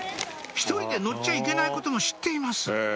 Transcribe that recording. １人で乗っちゃいけないことも知っています